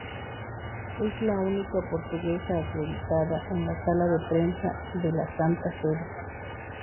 Es la única portuguesa acreditada en la Sala de Prensa de la Santa Sede.